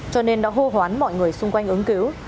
cho nên đã hô hoán mọi người xung quanh ứng cứu